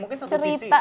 mungkin satu visi